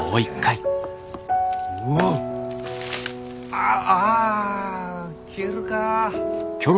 ああ消えるかあ。